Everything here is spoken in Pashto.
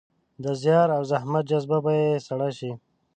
د زیار او زحمت جذبه به يې سړه شي.